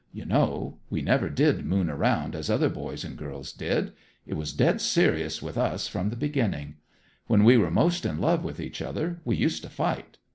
You know, we never did moon around as other boys and girls did. It was dead serious with us from the beginning. When we were most in love with each other, we used to fight.